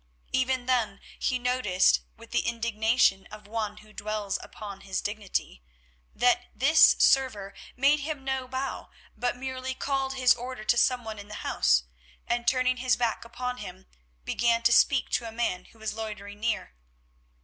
Even then he noticed, with the indignation of one who dwells upon his dignity, that this server made him no bow, but merely called his order to someone in the house, and, turning his back upon him, began to speak to a man who was loitering near.